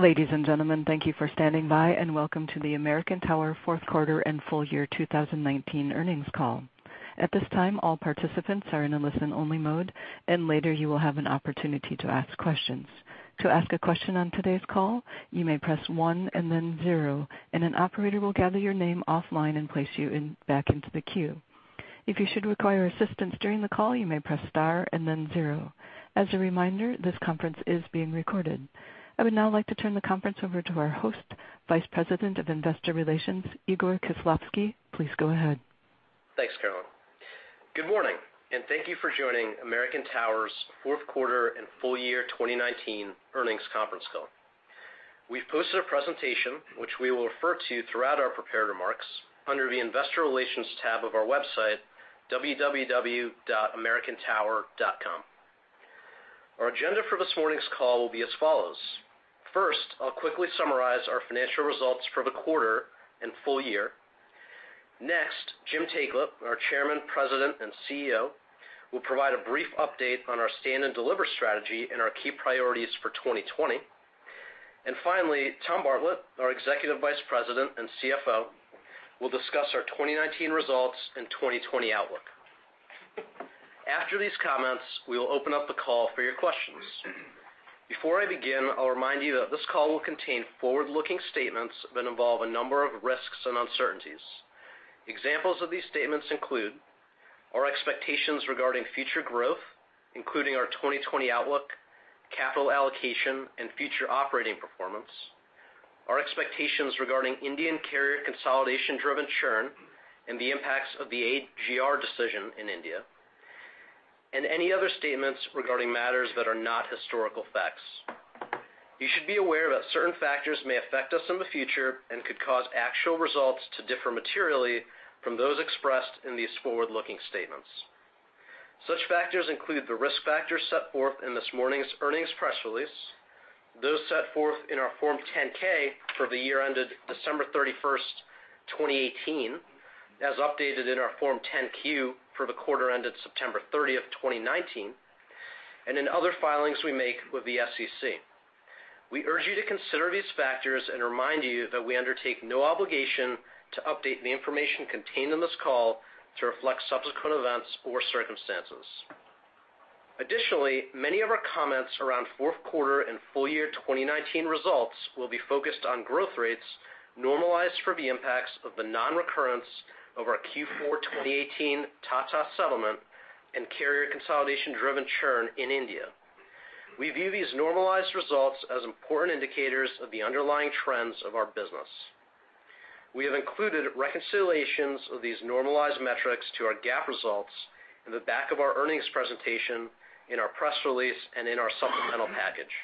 Ladies and gentlemen, thank you for standing by, and welcome to the American Tower fourth quarter and full year 2019 earnings call. At this time, all participants are in a listen-only mode, and later you will have an opportunity to ask questions. To ask a question on today's call, you may press one and then zero, and an operator will gather your name offline and place you back into the queue. If you should require assistance during the call, you may press star and then zero. As a reminder, this conference is being recorded. I would now like to turn the conference over to our host, Vice President of Investor Relations, Igor Khislavsky. Please go ahead. Thanks, Carol. Good morning, and thank you for joining American Tower's fourth quarter and full year 2019 earnings conference call. We've posted a presentation, which we will refer to throughout our prepared remarks, under the investor relations tab of our website, www.americantower.com. Our agenda for this morning's call will be as follows. First, I'll quickly summarize our financial results for the quarter and full year. Next, Jim Taiclet, our Chairman, President, and CEO, will provide a brief update on our Stand and Deliver strategy and our key priorities for 2020. Finally, Tom Bartlett, our Executive Vice President and CFO, will discuss our 2019 results and 2020 outlook. After these comments, we will open up the call for your questions. Before I begin, I'll remind you that this call will contain forward-looking statements that involve a number of risks and uncertainties. Examples of these statements include our expectations regarding future growth, including our 2020 outlook, capital allocation, and future operating performance, our expectations regarding Indian carrier consolidation-driven churn and the impacts of the AGR decision in India, and any other statements regarding matters that are not historical facts. You should be aware that certain factors may affect us in the future and could cause actual results to differ materially from those expressed in these forward-looking statements. Such factors include the risk factors set forth in this morning's earnings press release, those set forth in our Form 10-K for the year ended December 31st, 2018, as updated in our Form 10-Q for the quarter ended September 30th, 2019, and in other filings we make with the SEC. We urge you to consider these factors and remind you that we undertake no obligation to update the information contained in this call to reflect subsequent events or circumstances. Many of our comments around fourth quarter and full year 2019 results will be focused on growth rates normalized for the impacts of the non-recurrence of our Q4 2018 Tata settlement and carrier consolidation-driven churn in India. We view these normalized results as important indicators of the underlying trends of our business. We have included reconciliations of these normalized metrics to our GAAP results in the back of our earnings presentation, in our press release, and in our supplemental package.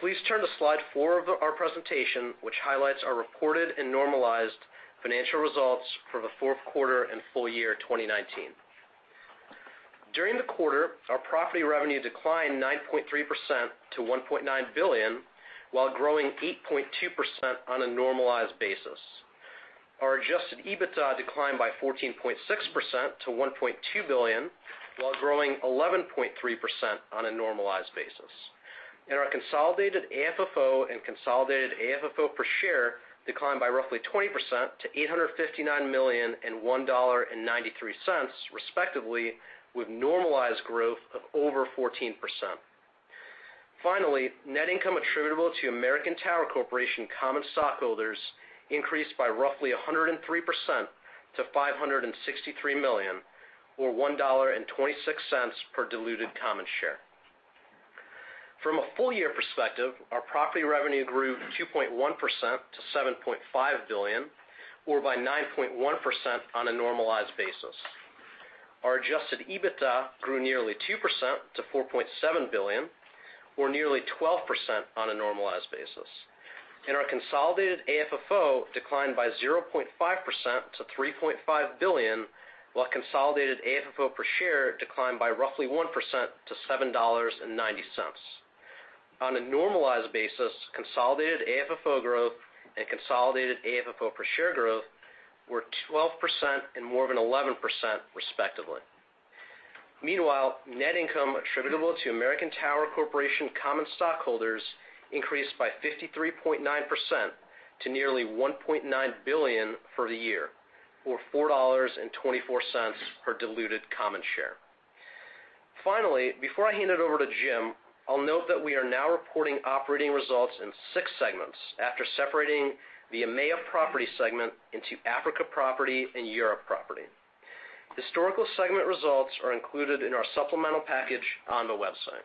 Please turn to slide four of our presentation, which highlights our reported and normalized financial results for the fourth quarter and full year 2019. During the quarter, our property revenue declined 9.3% to $1.9 billion, while growing 8.2% on a normalized basis. Our adjusted EBITDA declined by 14.6% to $1.2 billion, while growing 11.3% on a normalized basis. Our consolidated AFFO and consolidated AFFO per share declined by roughly 20% to $859 million and $1.93 respectively, with normalized growth of over 14%. Finally, net income attributable to American Tower Corporation common stockholders increased by roughly 103% to $563 million, or $1.26 per diluted common share. From a full-year perspective, our property revenue grew 2.1% to $7.5 billion, or by 9.1% on a normalized basis. Our adjusted EBITDA grew nearly 2% to $4.7 billion, or nearly 12% on a normalized basis. Our consolidated AFFO declined by 0.5% to $3.5 billion, while consolidated AFFO per share declined by roughly 1% to $7.90. On a normalized basis, consolidated AFFO growth and consolidated AFFO per share growth were 12% and more than 11%, respectively. Meanwhile, net income attributable to American Tower Corporation common stockholders increased by 53.9% to nearly $1.9 billion for the year, or $4.24 per diluted common share. Finally, before I hand it over to Jim, I'll note that we are now reporting operating results in six segments after separating the EMEA property segment into Africa property and Europe property. Historical segment results are included in our supplemental package on the website.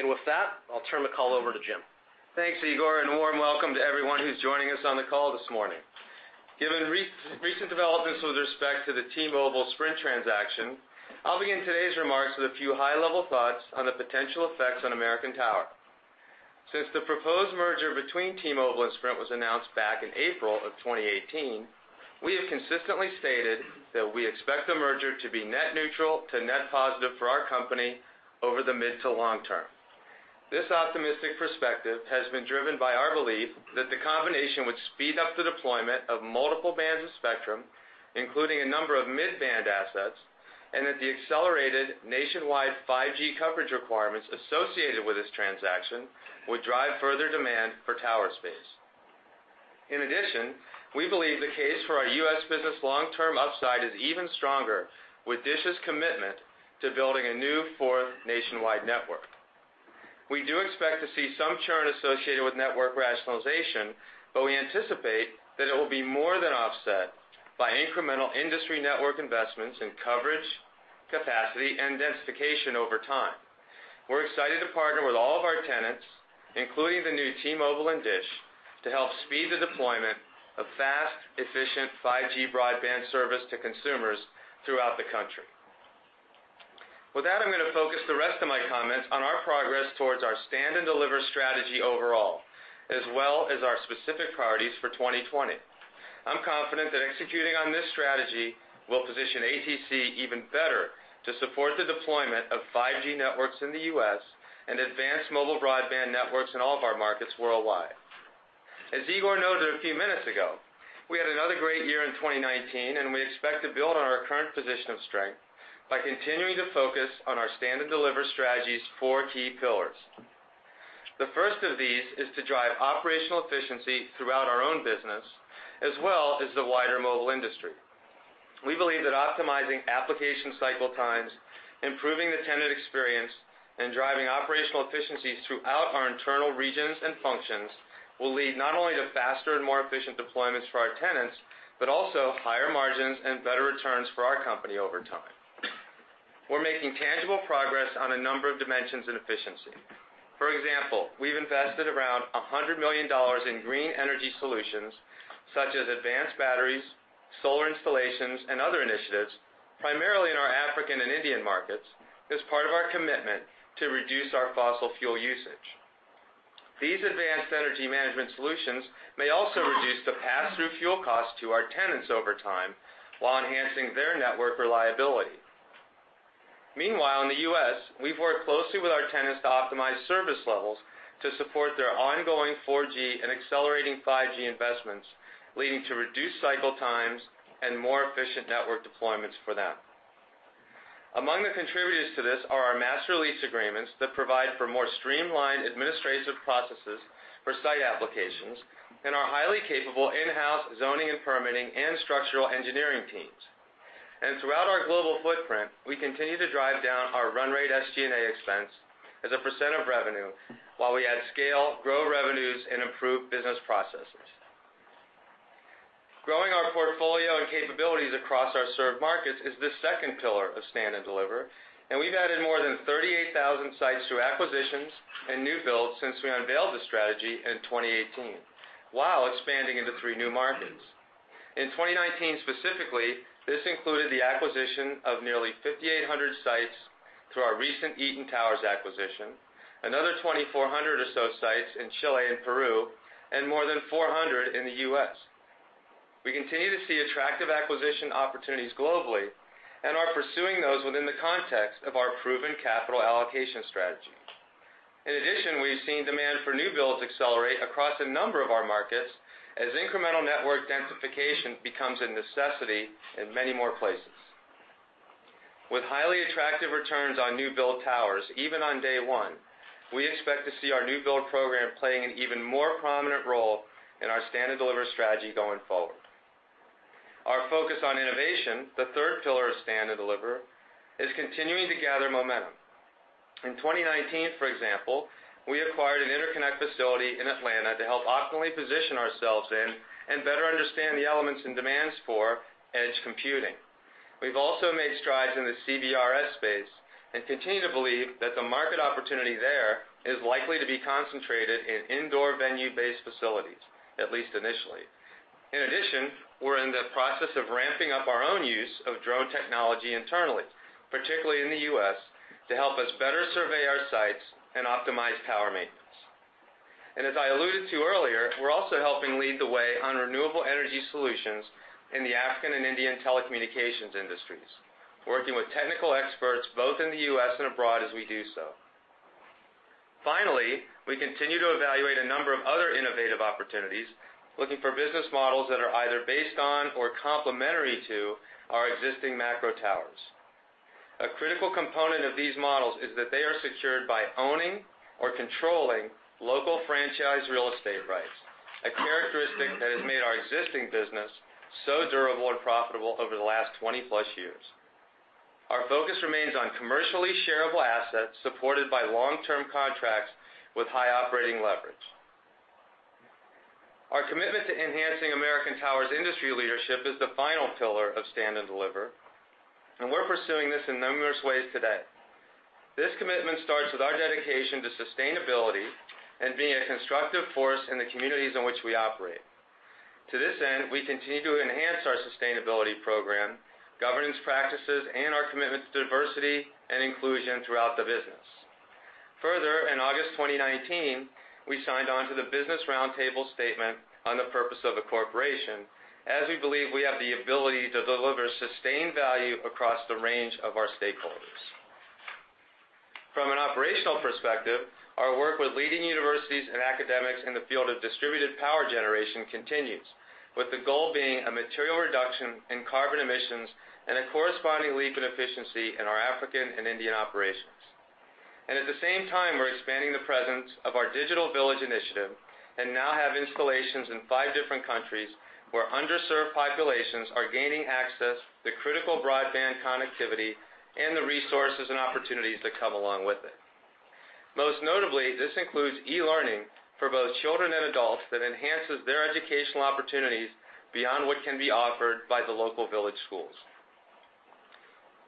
With that, I'll turn the call over to Jim. Thanks, Igor, a warm welcome to everyone who's joining us on the call this morning. Given recent developments with respect to the T-Mobile-Sprint transaction, I'll begin today's remarks with a few high-level thoughts on the potential effects on American Tower. Since the proposed merger between T-Mobile and Sprint was announced back in April of 2018, we have consistently stated that we expect the merger to be net neutral to net positive for our company over the mid to long term. This optimistic perspective has been driven by our belief that the combination would speed up the deployment of multiple bands of spectrum, including a number of mid-band assets, and that the accelerated nationwide 5G coverage requirements associated with this transaction would drive further demand for tower space. In addition, we believe the case for our U.S. business long-term upside is even stronger with DISH's commitment to building a new fourth nationwide network. We do expect to see some churn associated with network rationalization, but we anticipate that it will be more than offset by incremental industry network investments in coverage, capacity, and densification over time. We're excited to partner with all of our tenants, including the new T-Mobile and DISH, to help speed the deployment of fast, efficient 5G broadband service to consumers throughout the country. With that, I'm going to focus the rest of my comments on our progress towards our Stand and Deliver strategy overall, as well as our specific priorities for 2020. I'm confident that executing on this strategy will position ATC even better to support the deployment of 5G networks in the U.S. and advanced mobile broadband networks in all of our markets worldwide. As Igor noted a few minutes ago, we had another great year in 2019, and we expect to build on our current position of strength by continuing to focus on our Stand and Deliver strategy's four key pillars. The first of these is to drive operational efficiency throughout our own business, as well as the wider mobile industry. We believe that optimizing application cycle times, improving the tenant experience, and driving operational efficiencies throughout our internal regions and functions will lead not only to faster and more efficient deployments for our tenants but also higher margins and better returns for our company over time. We're making tangible progress on a number of dimensions in efficiency. For example, we've invested around $100 million in green energy solutions such as advanced batteries, solar installations, and other initiatives, primarily in our African and Indian markets, as part of our commitment to reduce our fossil fuel usage. These advanced energy management solutions may also reduce the pass-through fuel costs to our tenants over time while enhancing their network reliability. Meanwhile, in the U.S., we've worked closely with our tenants to optimize service levels to support their ongoing 4G and accelerating 5G investments, leading to reduced cycle times and more efficient network deployments for them. Among the contributors to this are our master lease agreements that provide for more streamlined administrative processes for site applications and our highly capable in-house zoning and permitting and structural engineering teams. Throughout our global footprint, we continue to drive down our run rate SG&A expense as a percent of revenue while we add scale, grow revenues, and improve business processes. Growing our portfolio and capabilities across our served markets is the second pillar of Stand and Deliver, and we've added more than 38,000 sites through acquisitions and new builds since we unveiled the strategy in 2018 while expanding into three new markets. In 2019, specifically, this included the acquisition of nearly 5,800 sites through our recent Eaton Towers acquisition, another 2,400 or so sites in Chile and Peru, and more than 400 in the U.S. We continue to see attractive acquisition opportunities globally and are pursuing those within the context of our proven capital allocation strategy. In addition, we've seen demand for new builds accelerate across a number of our markets as incremental network densification becomes a necessity in many more places. With highly attractive returns on new build towers, even on day one, we expect to see our new build program playing an even more prominent role in our Stand and Deliver strategy going forward. Our focus on innovation, the third pillar of Stand and Deliver, is continuing to gather momentum. In 2019, for example, we acquired an interconnect facility in Atlanta to help optimally position ourselves in and better understand the elements and demands for edge computing. We've also made strides in the CBRS space and continue to believe that the market opportunity there is likely to be concentrated in indoor venue-based facilities, at least initially. In addition, we're in the process of ramping up our own use of drone technology internally, particularly in the U.S., to help us better survey our sites and optimize tower maintenance. As I alluded to earlier, we're also helping lead the way on renewable energy solutions in the African and Indian telecommunications industries, working with technical experts both in the U.S. and abroad as we do so. We continue to evaluate a number of other innovative opportunities, looking for business models that are either based on or complementary to our existing macro towers. A critical component of these models is that they are secured by owning or controlling local franchise real estate rights, a characteristic that has made our existing business so durable and profitable over the last 20+ years. Our focus remains on commercially shareable assets supported by long-term contracts with high operating leverage. Our commitment to enhancing American Tower's industry leadership is the final pillar of Stand and Deliver. We're pursuing this in numerous ways today. This commitment starts with our dedication to sustainability and being a constructive force in the communities in which we operate. To this end, we continue to enhance our sustainability program, governance practices, and our commitment to diversity and inclusion throughout the business. Further, in August 2019, we signed on to the Business Roundtable statement on the purpose of a corporation, as we believe we have the ability to deliver sustained value across the range of our stakeholders. From an operational perspective, our work with leading universities and academics in the field of distributed power generation continues, with the goal being a material reduction in carbon emissions and a corresponding leap in efficiency in our African and Indian operations. At the same time, we're expanding the presence of our Digital Village initiative and now have installations in five different countries where underserved populations are gaining access to critical broadband connectivity and the resources and opportunities that come along with it. Most notably, this includes e-learning for both children and adults that enhances their educational opportunities beyond what can be offered by the local village schools.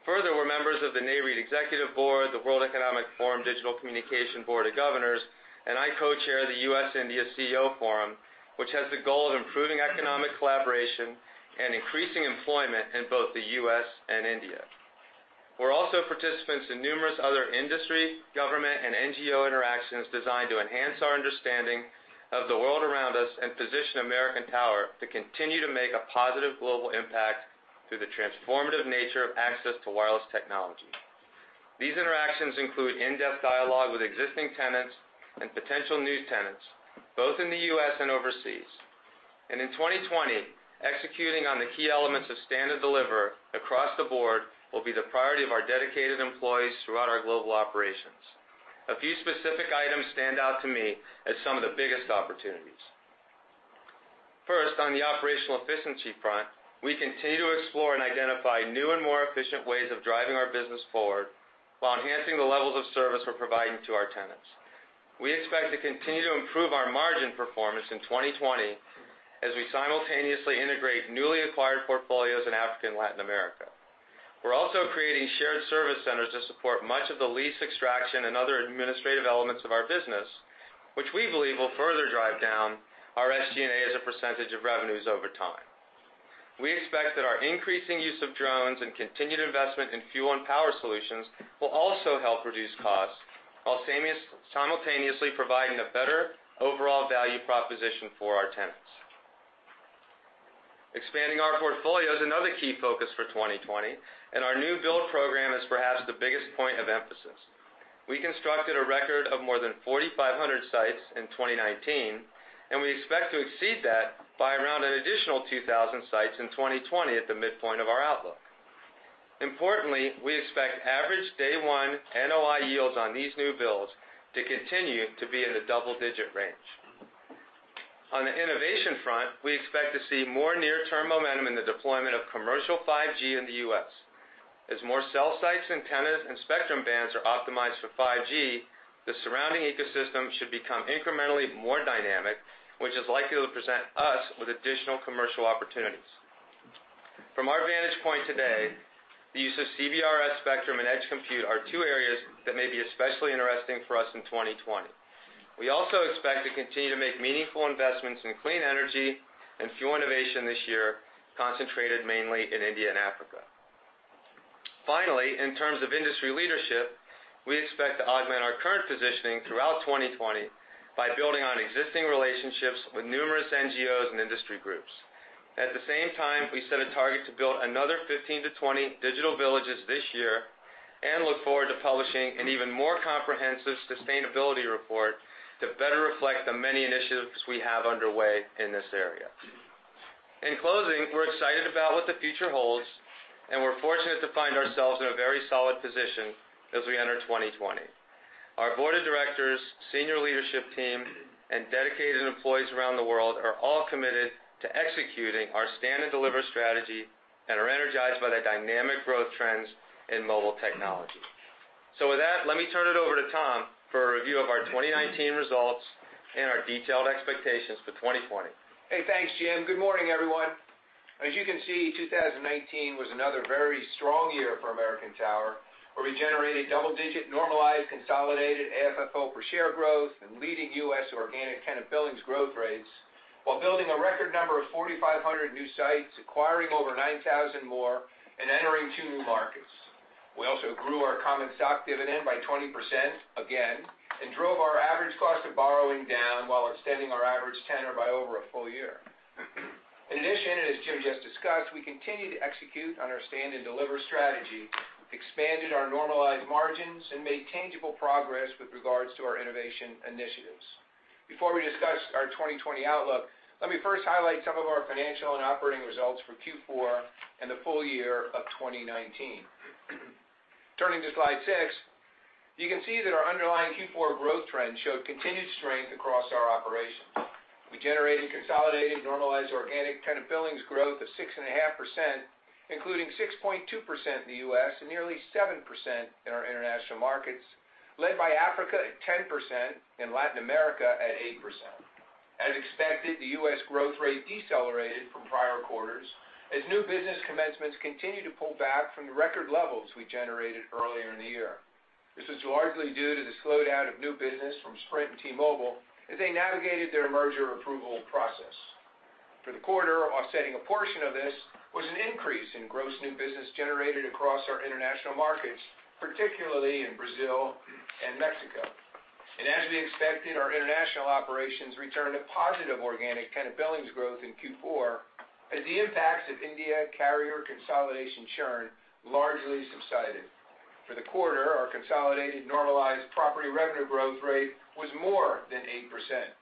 Further, we're members of the Nareit Executive Board, the World Economic Forum Digital Communication Board of Governors, and I co-chair the U.S.-India CEO Forum, which has the goal of improving economic collaboration and increasing employment in both the U.S. and India. We're also participants in numerous other industry, government, and NGO interactions designed to enhance our understanding of the world around us and position American Tower to continue to make a positive global impact through the transformative nature of access to wireless technology. These interactions include in-depth dialogue with existing tenants and potential new tenants, both in the U.S. and overseas. In 2020, executing on the key elements of Stand and Deliver across the board will be the priority of our dedicated employees throughout our global operations. A few specific items stand out to me as some of the biggest opportunities. First, on the operational efficiency front, we continue to explore and identify new and more efficient ways of driving our business forward while enhancing the levels of service we're providing to our tenants. We expect to continue to improve our margin performance in 2020 as we simultaneously integrate newly acquired portfolios in Africa and Latin America. We're also creating shared service centers to support much of the lease extraction and other administrative elements of our business, which we believe will further drive down our SG&A as a percentage of revenues over time. We expect that our increasing use of drones and continued investment in fuel and power solutions will also help reduce costs, while simultaneously providing a better overall value proposition for our tenants. Expanding our portfolio is another key focus for 2020, our new build program is perhaps the biggest point of emphasis. We constructed a record of more than 4,500 sites in 2019. We expect to exceed that by around an additional 2,000 sites in 2020 at the midpoint of our outlook. Importantly, we expect average day one NOI yields on these new builds to continue to be in the double-digit range. On the innovation front, we expect to see more near-term momentum in the deployment of commercial 5G in the U.S. As more cell sites, antennas, and spectrum bands are optimized for 5G, the surrounding ecosystem should become incrementally more dynamic, which is likely to present us with additional commercial opportunities. From our vantage point today, the use of CBRS spectrum and edge computing are two areas that may be especially interesting for us in 2020. We also expect to continue to make meaningful investments in clean energy and fuel innovation this year, concentrated mainly in India and Africa. Finally, in terms of industry leadership, we expect to augment our current positioning throughout 2020 by building on existing relationships with numerous NGOs and industry groups. At the same time, we set a target to build another 15-20 Digital Villages this year and look forward to publishing an even more comprehensive sustainability report to better reflect the many initiatives we have underway in this area. In closing, we're excited about what the future holds, and we're fortunate to find ourselves in a very solid position as we enter 2020. Our board of directors, senior leadership team, and dedicated employees around the world are all committed to executing our Stand and Deliver strategy and are energized by the dynamic growth trends in mobile technology. With that, let me turn it over to Tom for a review of our 2019 results and our detailed expectations for 2020. Hey, thanks, Jim. Good morning, everyone. As you can see, 2019 was another very strong year for American Tower, where we generated double-digit normalized consolidated AFFO per share growth and leading U.S. organic tenant billings growth rates while building a record number of 4,500 new sites, acquiring over 9,000 more, and entering two new markets. We also grew our common stock dividend by 20% again and drove our average cost of borrowing down while extending our average tenor by over a full year. In addition, and as Jim just discussed, we continued to execute on our Stand and Deliver strategy, expanded our normalized margins, and made tangible progress with regards to our innovation initiatives. Before we discuss our 2020 outlook, let me first highlight some of our financial and operating results for Q4 and the full year of 2019. Turning to slide six, you can see that our underlying Q4 growth trend showed continued strength across our operations. We generated consolidated normalized organic tenant billings growth of 6.5%, including 6.2% in the U.S. and nearly 7% in our international markets, led by Africa at 10% and Latin America at 8%. As expected, the U.S. growth rate decelerated from prior quarters as new business commencements continued to pull back from the record levels we generated earlier in the year. This was largely due to the slowdown of new business from Sprint and T-Mobile as they navigated their merger approval process. For the quarter, offsetting a portion of this was an increase in gross new business generated across our international markets, particularly in Brazil and Mexico. As we expected, our international operations returned a positive organic tenant billings growth in Q4 as the impacts of India carrier consolidation churn largely subsided. For the quarter, our consolidated normalized property revenue growth rate was more than 8%.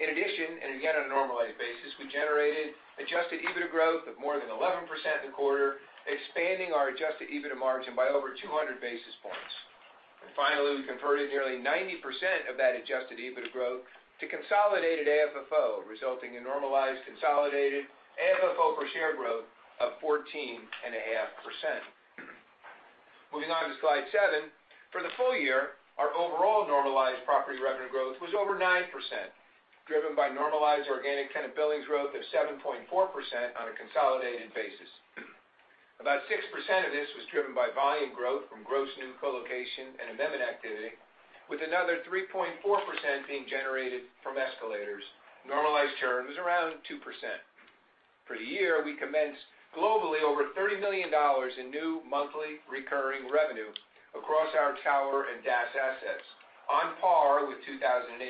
In addition, and again on a normalized basis, we generated Adjusted EBITDA growth of more than 11% in the quarter, expanding our Adjusted EBITDA margin by over 200 basis points. Finally, we converted nearly 90% of that Adjusted EBITDA growth to consolidated AFFO, resulting in normalized consolidated AFFO per share growth of 14.5%. Moving on to slide seven. For the full year, our overall normalized property revenue growth was over 9%, driven by normalized organic tenant billings growth of 7.4% on a consolidated basis. About 6% of this was driven by volume growth from gross new colocation and amendment activity, with another 3.4% being generated from escalators. Normalized churn was around 2%. For the year, we commenced globally over $30 million in new monthly recurring revenue across our tower and DAS assets, on par with 2018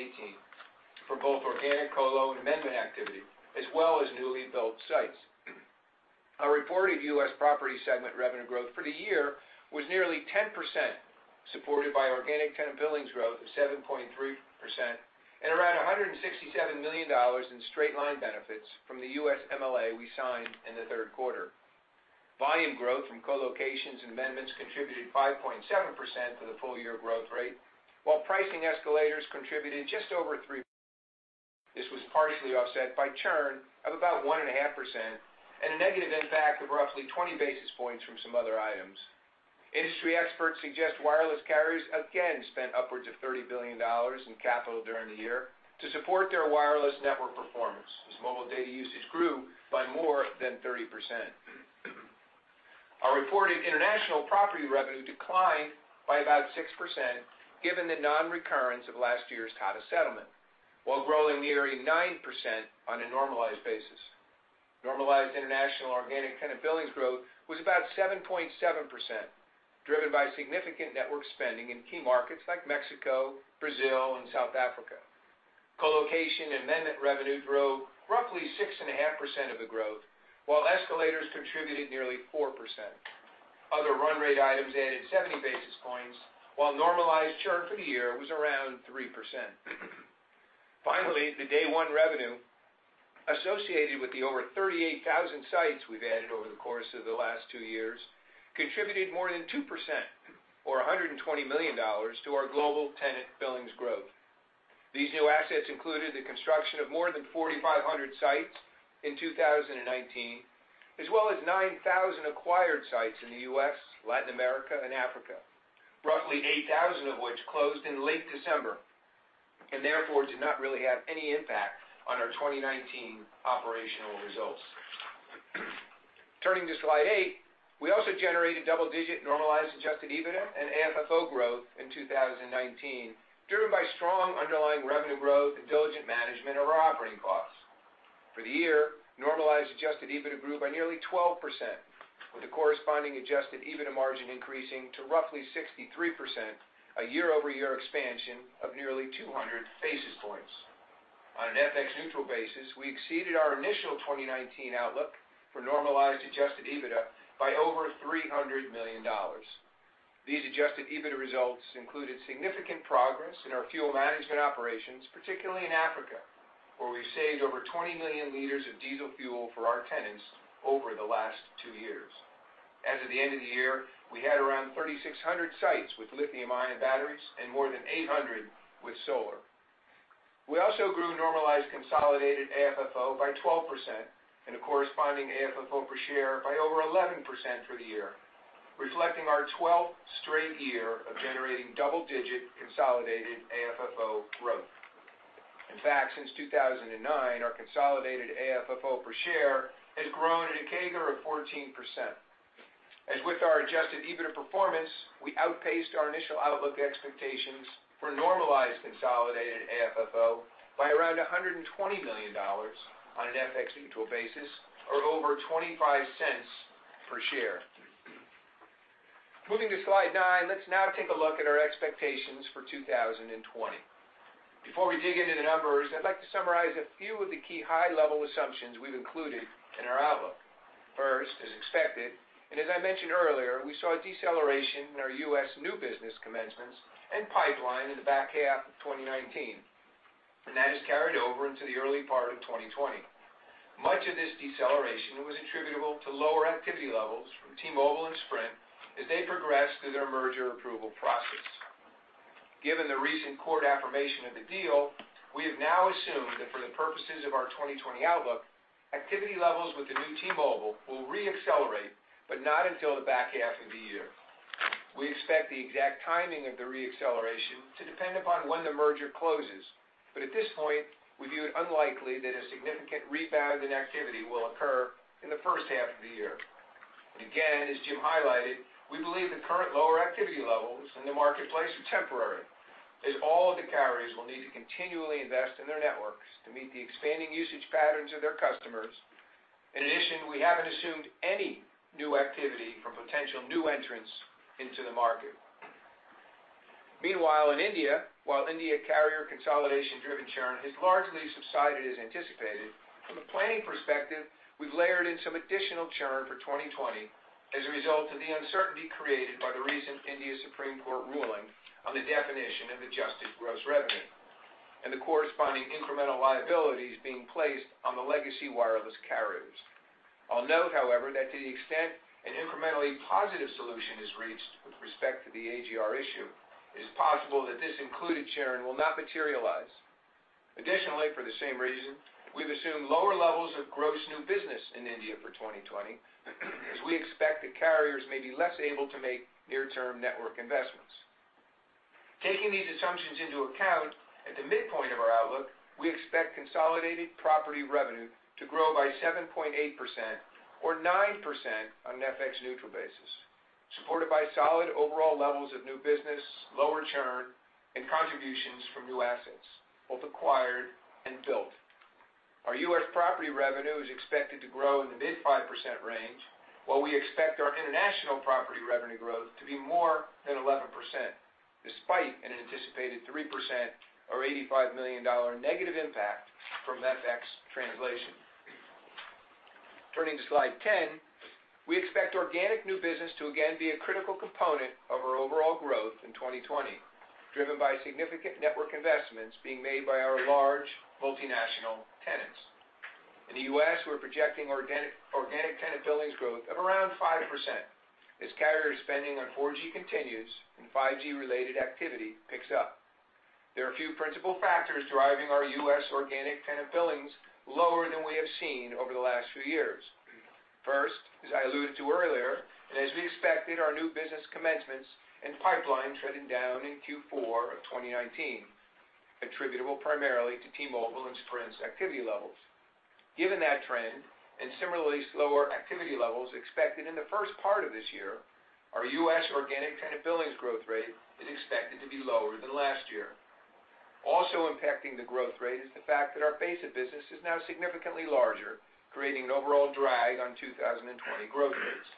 for both organic colo and amendment activity, as well as newly built sites. Our reported U.S. Property Segment revenue growth for the year was nearly 10%, supported by organic tenant billings growth of 7.3% and around $167 million in straight-line benefits from the U.S. MLA we signed in the third quarter. Volume growth from colocations and amendments contributed 5.7% for the full year growth rate, while pricing escalators contributed just over 3%. This was partially offset by churn of about 1.5% and a negative impact of roughly 20 basis points from some other items. Industry experts suggest wireless carriers again spent upwards of $30 billion in capital during the year to support their wireless network performance as mobile data usage grew by more than 30%. Our reported international property revenue declined by about 6% given the non-recurrence of last year's Tata settlement, while growing nearly 9% on a normalized basis. Normalized international organic tenant billings growth was about 7.7%, driven by significant network spending in key markets like Mexico, Brazil, and South Africa. Colocation amendment revenue drove roughly 6.5% of the growth, while escalators contributed nearly 4%. Other run rate items added 70 basis points, while normalized churn for the year was around 3%. Finally, the day one revenue associated with the over 38,000 sites we've added over the course of the last two years contributed more than 2%, or $120 million to our global tenant billings growth. These new assets included the construction of more than 4,500 sites in 2019, as well as 9,000 acquired sites in the U.S., Latin America, and Africa, roughly 8,000 of which closed in late December and therefore did not really have any impact on our 2019 operational results. Turning to slide eight, we also generated double-digit normalized adjusted EBITDA and AFFO growth in 2019, driven by strong underlying revenue growth and diligent management of our operating costs. For the year, normalized adjusted EBITDA grew by nearly 12%, with the corresponding adjusted EBITDA margin increasing to roughly 63%, a year-over-year expansion of nearly 200 basis points. On an FX neutral basis, we exceeded our initial 2019 outlook for normalized adjusted EBITDA by over $300 million. These Adjusted EBITDA results included significant progress in our fuel management operations, particularly in Africa, where we've saved over 20 million liters of diesel fuel for our tenants over the last two years. As of the end of the year, we had around 3,600 sites with lithium-ion batteries and more than 800 with solar. We also grew normalized consolidated AFFO by 12% and a corresponding AFFO per share by over 11% for the year, reflecting our 12th straight year of generating double-digit consolidated AFFO growth. In fact, since 2009, our consolidated AFFO per share has grown at a CAGR of 14%. As with our Adjusted EBITDA performance, we outpaced our initial outlook expectations for normalized consolidated AFFO by around $120 million on an FX neutral basis, or over $0.25 per share. Moving to slide nine, let's now take a look at our expectations for 2020. Before we dig into the numbers, I'd like to summarize a few of the key high-level assumptions we've included in our outlook. First, as expected, and as I mentioned earlier, we saw a deceleration in our U.S. new business commencements and pipeline in the back half of 2019, and that has carried over into the early part of 2020. Much of this deceleration was attributable to lower activity levels from T-Mobile and Sprint as they progressed through their merger approval process. Given the recent court affirmation of the deal, we have now assumed that for the purposes of our 2020 outlook, activity levels with the new T-Mobile will re-accelerate, but not until the back half of the year. We expect the exact timing of the re-acceleration to depend upon when the merger closes, but at this point, we view it unlikely that a significant rebound in activity will occur in the first half of the year. Again, as Jim highlighted, we believe the current lower activity levels in the marketplace are temporary, as all of the carriers will need to continually invest in their networks to meet the expanding usage patterns of their customers. In addition, we haven't assumed any new activity from potential new entrants into the market. Meanwhile, in India, while India carrier consolidation-driven churn has largely subsided as anticipated, from a planning perspective, we've layered in some additional churn for 2020 as a result of the uncertainty created by the recent Supreme Court of India ruling on the definition of Adjusted Gross Revenue, and the corresponding incremental liabilities being placed on the legacy wireless carriers. I'll note, however, that to the extent an incrementally positive solution is reached with respect to the AGR issue, it is possible that this included churn will not materialize. Additionally, for the same reason, we've assumed lower levels of gross new business in India for 2020, as we expect that carriers may be less able to make near-term network investments. Taking these assumptions into account, at the midpoint of our outlook, we expect consolidated property revenue to grow by 7.8% or 9% on an FX-neutral basis, supported by solid overall levels of new business, lower churn, and contributions from new assets, both acquired and built. Our U.S. property revenue is expected to grow in the mid 5% range, while we expect our international property revenue growth to be more than 11%, despite an anticipated 3% or $85 million negative impact from FX translation. Turning to slide 10, we expect organic new business to again be a critical component of our overall growth in 2020, driven by significant network investments being made by our large multinational tenants. In the U.S., we're projecting organic tenant billings growth of around 5% as carrier spending on 4G continues and 5G-related activity picks up. There are a few principal factors driving our U.S. organic tenant billings lower than we have seen over the last few years. First, as I alluded to earlier, and as we expected, our new business commencements and pipeline trended down in Q4 of 2019, attributable primarily to T-Mobile and Sprint's activity levels. Given that trend, and similarly slower activity levels expected in the first part of this year, our U.S. organic tenant billings growth rate is expected to be lower than last year. Also impacting the growth rate is the fact that our base of business is now significantly larger, creating an overall drag on 2020 growth rates.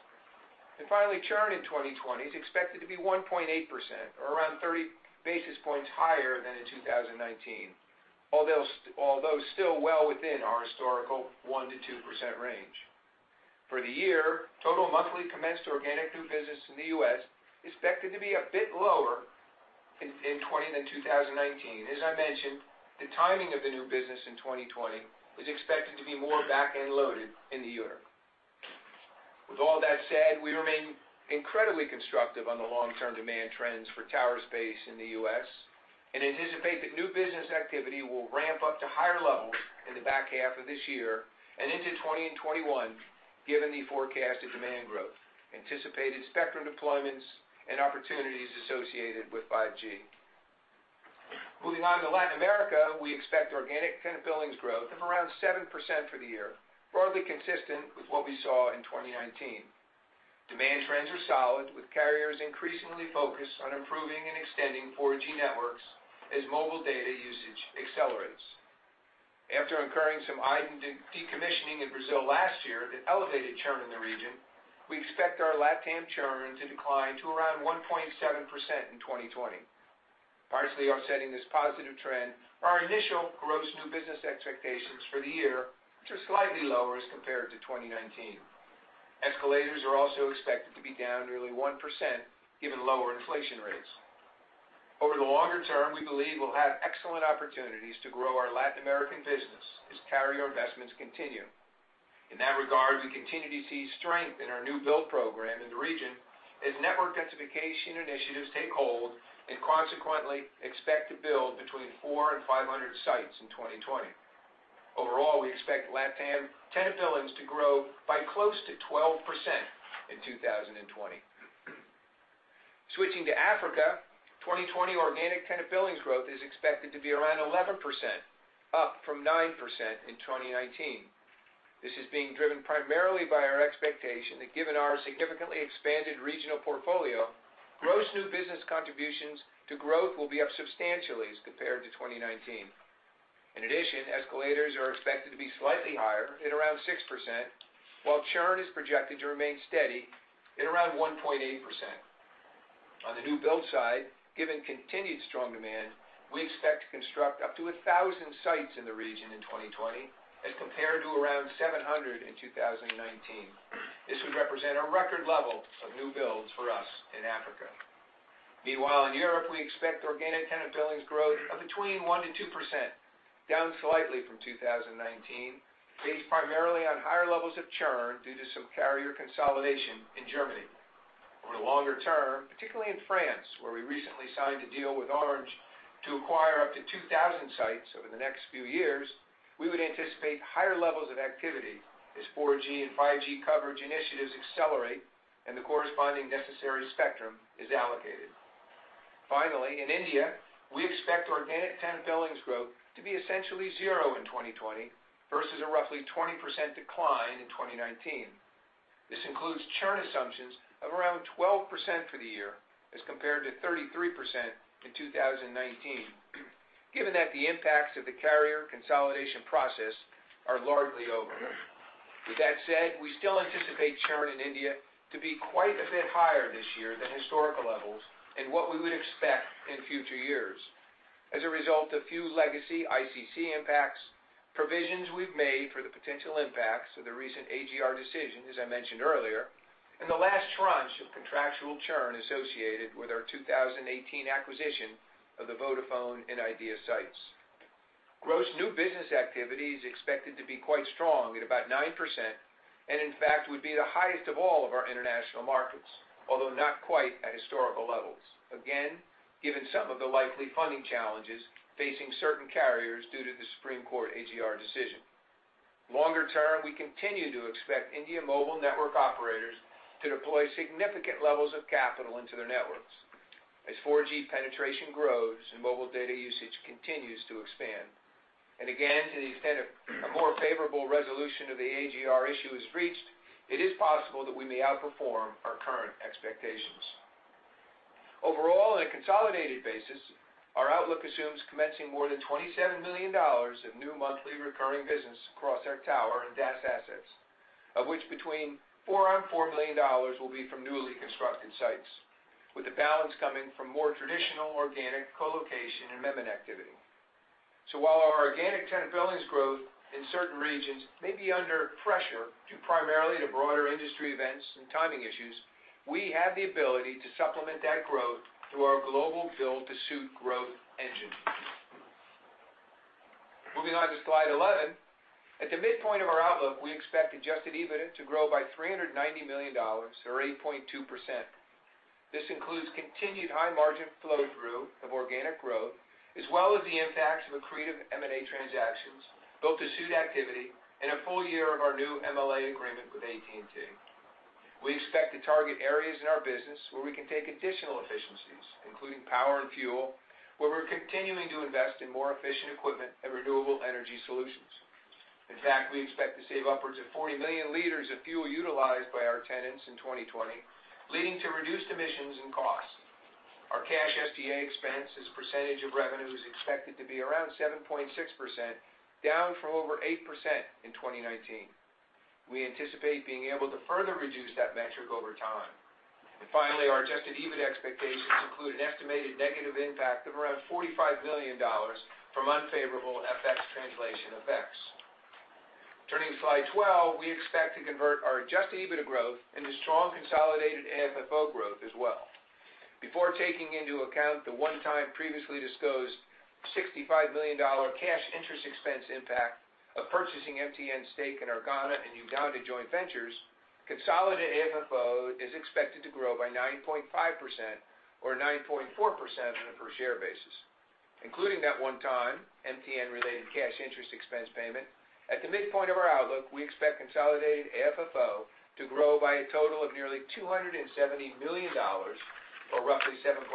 Finally, churn in 2020 is expected to be 1.8%, or around 30 basis points higher than in 2019. Although still well within our historical 1%-2% range. For the year, total monthly commenced organic new business in the U.S. is expected to be a bit lower in 2020 than 2019. As I mentioned, the timing of the new business in 2020 is expected to be more back-end loaded in the year. With all that said, we remain incredibly constructive on the long-term demand trends for tower space in the U.S. and anticipate that new business activity will ramp up to higher levels in the back half of this year and into 2021 given the forecasted demand growth, anticipated spectrum deployments, and opportunities associated with 5G. Moving on to Latin America, we expect organic tenant billings growth of around 7% for the year, broadly consistent with what we saw in 2019. Demand trends are solid, with carriers increasingly focused on improving and extending 4G networks as mobile data usage accelerates. After incurring some idle decommissioning in Brazil last year that elevated churn in the region, we expect our LatAm churn to decline to around 1.7% in 2020. Partially offsetting this positive trend are initial gross new business expectations for the year, which are slightly lower as compared to 2019. Escalators are also expected to be down nearly 1% given lower inflation rates. Over the longer term, we believe we'll have excellent opportunities to grow our Latin American business as carrier investments continue. In that regard, we continue to see strength in our new build program in the region as network densification initiatives take hold and consequently expect to build between 400 and 500 sites in 2020. Overall, we expect LatAm tenant billings to grow by close to 12% in 2020. Switching to Africa, 2020 organic tenant billings growth is expected to be around 11%, up from 9% in 2019. This is being driven primarily by our expectation that given our significantly expanded regional portfolio, gross new business contributions to growth will be up substantially as compared to 2019. In addition, escalators are expected to be slightly higher at around 6%, while churn is projected to remain steady at around 1.8%. On the new build side, given continued strong demand, we expect to construct up to 1,000 sites in the region in 2020 as compared to around 700 in 2019. This would represent a record level of new builds for us in Africa. Meanwhile, in Europe, we expect organic tenant billings growth of between 1% to 2%, down slightly from 2019, based primarily on higher levels of churn due to some carrier consolidation in Germany. Over the longer term, particularly in France, where we recently signed a deal with Orange to acquire up to 2,000 sites over the next few years, we would anticipate higher levels of activity as 4G and 5G coverage initiatives accelerate and the corresponding necessary spectrum is allocated. Finally, in India, we expect organic tenant billings growth to be essentially zero in 2020 versus a roughly 20% decline in 2019. This includes churn assumptions of around 12% for the year as compared to 33% in 2019, given that the impacts of the carrier consolidation process are largely over. With that said, we still anticipate churn in India to be quite a bit higher this year than historical levels and what we would expect in future years as a result of few legacy ICC impacts, provisions we've made for the potential impacts of the recent AGR decision, as I mentioned earlier, and the last tranche of contractual churn associated with our 2018 acquisition of the Vodafone and Idea sites. Gross new business activity is expected to be quite strong at about 9%, and in fact, would be the highest of all of our international markets, although not quite at historical levels. Again, given some of the likely funding challenges facing certain carriers due to the Supreme Court AGR decision. Longer term, we continue to expect India mobile network operators to deploy significant levels of capital into their networks as 4G penetration grows and mobile data usage continues to expand. To the extent a more favorable resolution of the AGR issue is reached, it is possible that we may outperform our current expectations. On a consolidated basis, our outlook assumes commencing more than $27 million of new monthly recurring business across our tower and DAS assets, of which between $4 and $5 million will be from newly constructed sites, with the balance coming from more traditional organic colocation and amendment activity. While our organic tenant billings growth in certain regions may be under pressure due primarily to broader industry events and timing issues, we have the ability to supplement that growth through our global build-to-suit growth engine. Moving on to slide 11. At the midpoint of our outlook, we expect adjusted EBITDA to grow by $390 million or 8.2%.SSS This includes continued high margin flow-through of organic growth, as well as the impacts of accretive M&A transactions, build-to-suit activity, and a full year of our new MLA agreement with AT&T. We expect to target areas in our business where we can take additional efficiencies, including power and fuel, where we're continuing to invest in more efficient equipment and renewable energy solutions. In fact, we expect to save upwards of 40 million liters of fuel utilized by our tenants in 2020, leading to reduced emissions and costs. Our cash SG&A expense as a percentage of revenue is expected to be around 7.6%, down from over 8% in 2019. We anticipate being able to further reduce that metric over time. Finally, our adjusted EBIT expectations include an estimated negative impact of around $45 million from unfavorable FX translation effects. Turning to slide 12, we expect to convert our Adjusted EBITDA growth into strong consolidated AFFO growth as well. Before taking into account the one-time previously disclosed $65 million cash interest expense impact of purchasing MTN's stake in our Ghana and Uganda joint ventures, consolidated AFFO is expected to grow by 9.5% or 9.4% on a per share basis. Including that one-time MTN-related cash interest expense payment, at the midpoint of our outlook, we expect consolidated AFFO to grow by a total of nearly $270 million or roughly 7.6%.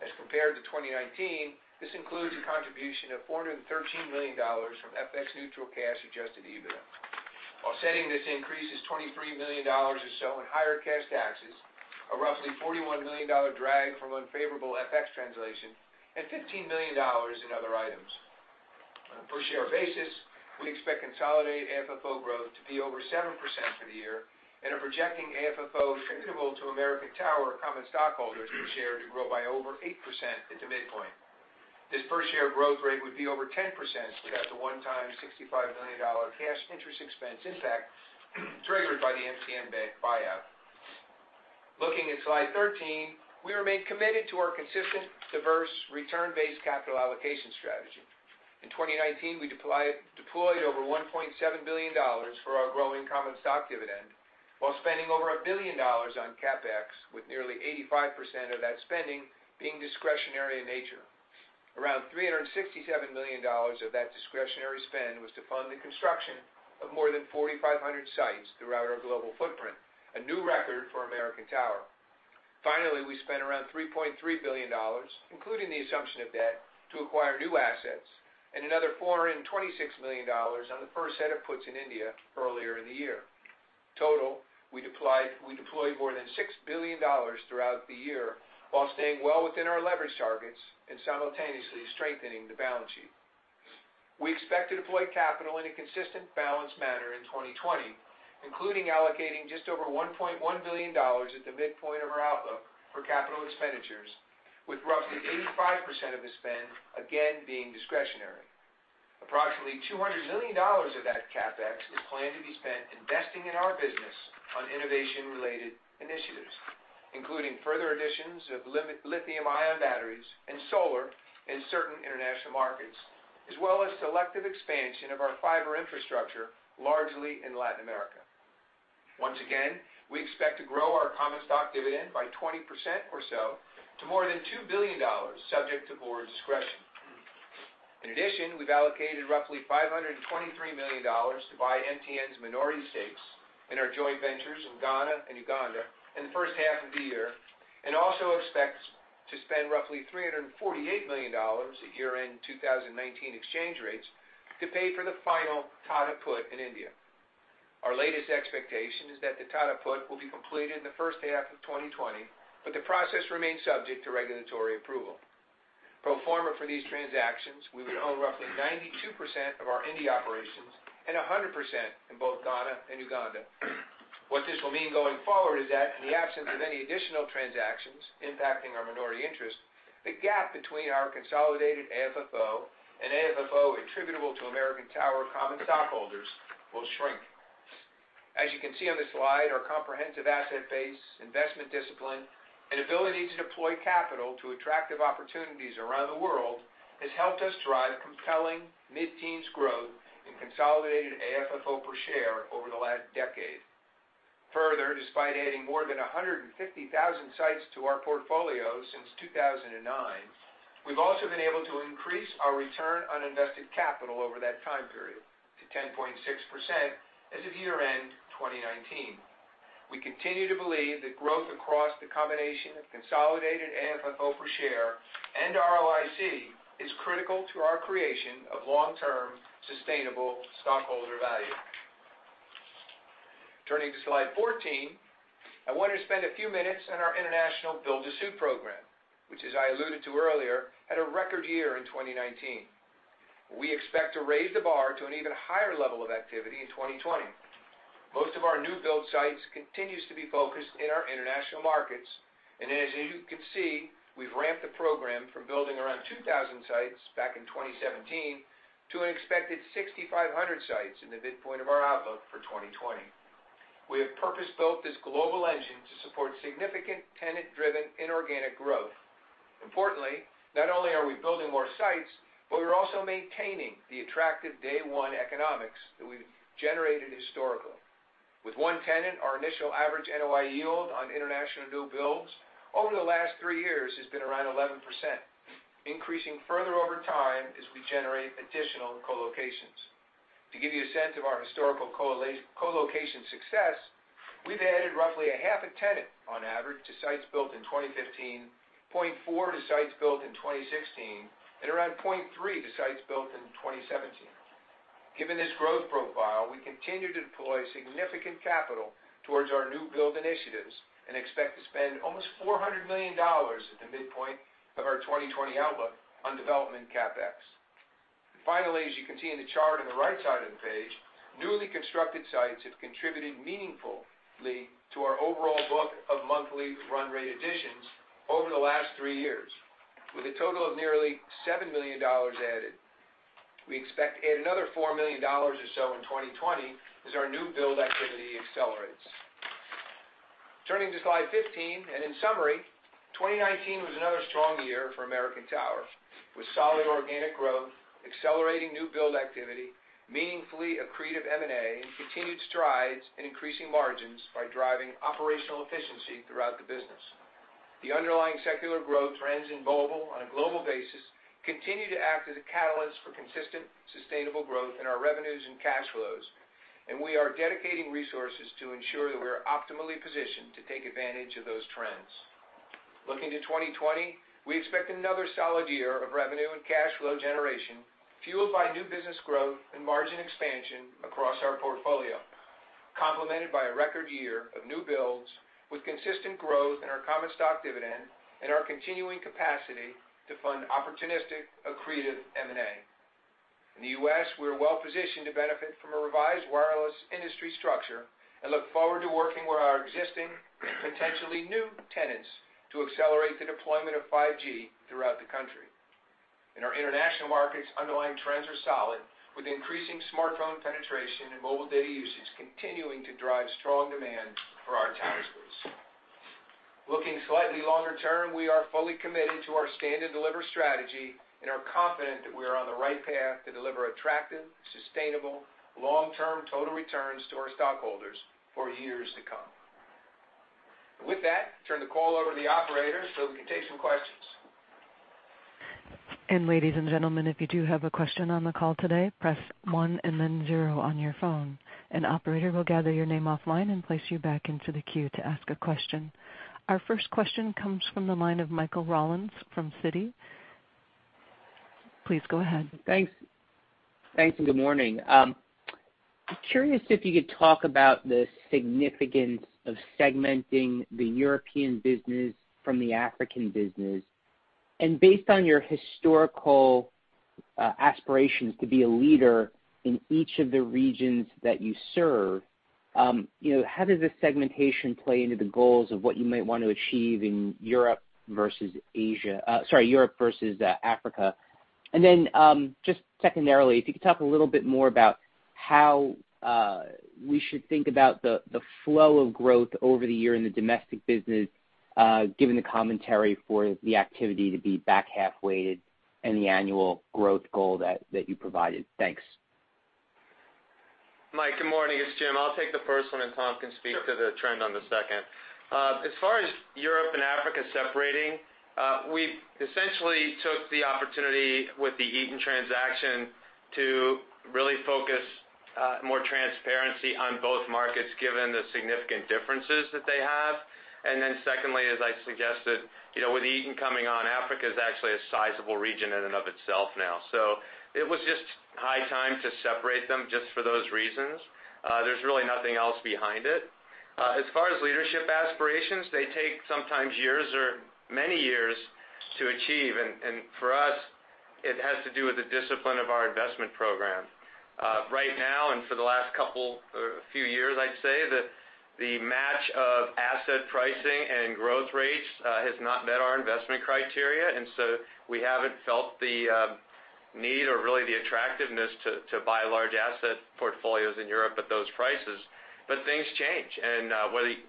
As compared to 2019, this includes a contribution of $413 million from FX neutral cash Adjusted EBITDA. Offsetting this increase is $23 million or so in higher cash taxes, a roughly $41 million drag from unfavorable FX translation, and $15 million in other items. On a per share basis, we expect consolidated AFFO growth to be over 7% for the year and are projecting AFFO attributable to American Tower common stockholders per share to grow by over 8% at the midpoint. This per share growth rate would be over 10% without the one-time $65 million cash interest expense impact triggered by the MTN buyout. Looking at slide 13, we remain committed to our consistent, diverse, return-based capital allocation strategy. In 2019, we deployed over $1.7 billion for our growing common stock dividend while spending over $1 billion on CapEx, with nearly 85% of that spending being discretionary in nature. Around $367 million of that discretionary spend was to fund the construction of more than 4,500 sites throughout our global footprint, a new record for American Tower. Finally, we spent around $3.3 billion, including the assumption of debt, to acquire new assets, and another $426 million on the first set of puts in India earlier in the year. Total, we deployed more than $6 billion throughout the year while staying well within our leverage targets and simultaneously strengthening the balance sheet. We expect to deploy capital in a consistent, balanced manner in 2020, including allocating just over $1.1 billion at the midpoint of our outlook for capital expenditures, with roughly 85% of the spend again being discretionary. Approximately $200 million of that CapEx is planned to be spent investing in our business on innovation-related initiatives, including further additions of lithium-ion batteries and solar in certain international markets, as well as selective expansion of our fiber infrastructure, largely in Latin America. Once again, we expect to grow our common stock dividend by 20% or so to more than $2 billion, subject to board discretion. We've allocated roughly $523 million to buy MTN's minority stakes in our joint ventures in Ghana and Uganda in the first half of the year, and also expect to spend roughly $348 million at year-end 2019 exchange rates to pay for the final Tata put in India. Our latest expectation is that the Tata put will be completed in the first half of 2020, but the process remains subject to regulatory approval. Pro forma for these transactions, we would own roughly 92% of our India operations and 100% in both Ghana and Uganda. What this will mean going forward is that in the absence of any additional transactions impacting our minority interest, the gap between our consolidated AFFO and AFFO attributable to American Tower common stockholders will shrink. As you can see on the slide, our comprehensive asset base, investment discipline, and ability to deploy capital to attractive opportunities around the world has helped us drive compelling mid-teens growth in consolidated AFFO per share over the last decade. Further, despite adding more than 150,000 sites to our portfolio since 2009, we've also been able to increase our return on invested capital over that time period to 10.6% as of year-end 2019. We continue to believe that growth across the combination of consolidated AFFO per share and ROIC is critical to our creation of long-term sustainable stockholder value. Turning to slide 14, I want to spend a few minutes on our international build-to-suit program, which, as I alluded to earlier, had a record year in 2019. We expect to raise the bar to an even higher level of activity in 2020. Most of our new build sites continues to be focused in our international markets. As you can see, we've ramped the program from building around 2,000 sites back in 2017 to an expected 6,500 sites in the midpoint of our outlook for 2020. We have purpose-built this global engine to support significant tenant-driven inorganic growth. Importantly, not only are we building more sites, but we're also maintaining the attractive day one economics that we've generated historically. With one tenant, our initial average NOI yield on international new builds over the last three years has been around 11%, increasing further over time as we generate additional co-locations. To give you a sense of our historical co-location success, we've added roughly a half a tenant on average to sites built in 2015, 0.4 to sites built in 2016, and around 0.3 to sites built in 2017. Given this growth profile, we continue to deploy significant capital towards our new build initiatives and expect to spend almost $400 million at the midpoint of our 2020 outlook on development CapEx. As you can see in the chart on the right side of the page, newly constructed sites have contributed meaningfully to our overall book of monthly run rate additions over the last three years, with a total of nearly $7 million added. We expect to add another $4 million or so in 2020 as our new build activity accelerates. Turning to slide 15, in summary, 2019 was another strong year for American Tower, with solid organic growth, accelerating new build activity, meaningfully accretive M&A, and continued strides in increasing margins by driving operational efficiency throughout the business. The underlying secular growth trends in mobile on a global basis continue to act as a catalyst for consistent, sustainable growth in our revenues and cash flows, we are dedicating resources to ensure that we are optimally positioned to take advantage of those trends. Looking to 2020, we expect another solid year of revenue and cash flow generation fueled by new business growth and margin expansion across our portfolio, complemented by a record year of new builds with consistent growth in our common stock dividend and our continuing capacity to fund opportunistic accretive M&A. In the U.S., we're well positioned to benefit from a revised wireless industry structure and look forward to working with our existing, potentially new tenants to accelerate the deployment of 5G throughout the country. In our international markets, underlying trends are solid, with increasing smartphone penetration and mobile data usage continuing to drive strong demand for our tower space. Looking slightly longer term, we are fully committed to our Stand and Deliver strategy and are confident that we are on the right path to deliver attractive, sustainable, long-term total returns to our stockholders for years to come. With that, I turn the call over to the operator so we can take some questions. Ladies and gentlemen, if you do have a question on the call today, press one and then zero on your phone. An operator will gather your name offline and place you back into the queue to ask a question. Our first question comes from the line of Michael Rollins from Citi. Please go ahead. Thanks. Thanks, and good morning. I'm curious if you could talk about the significance of segmenting the European business from the African business. Based on your historical aspirations to be a leader in each of the regions that you serve, how does this segmentation play into the goals of what you might want to achieve in Europe versus Asia, Sorry, Europe versus Africa? Then, just secondarily, if you could talk a little bit more about how we should think about the flow of growth over the year in the domestic business given the commentary for the activity to be back half-weighted and the annual growth goal that you provided. Thanks. Mike, good morning. It's Jim. I'll take the first one, and Tom can speak to the trend on the second. As far as Europe and Africa separating, we essentially took the opportunity with the Eaton transaction to really focus more transparency on both markets, given the significant differences that they have. Secondly, as I suggested, with Eaton coming on, Africa is actually a sizable region in and of itself now. It was just high time to separate them just for those reasons. There's really nothing else behind it. As far as leadership aspirations, they take sometimes years or many years to achieve. For us, it has to do with the discipline of our investment program. Right now and for the last couple or few years, I'd say, the match of asset pricing and growth rates has not met our investment criteria. We haven't felt the need or really the attractiveness to buy large asset portfolios in Europe at those prices. Things change,